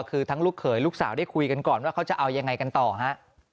คือทั้งลูกเขยลูกสาวได้คุยกันก่อนว่าเขาจะเอายังไงกันต่อฮะ